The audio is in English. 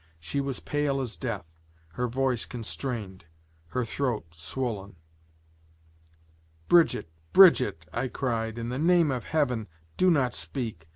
She was pale as death, her voice constrained, her throat swollen. "Brigitte! Brigitte!" I cried, "in the name of Heaven, do not speak!